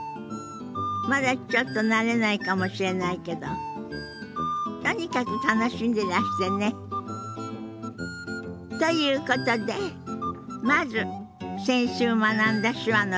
まだちょっと慣れないかもしれないけどとにかく楽しんでらしてね。ということでまず先週学んだ手話の復習から始めましょう。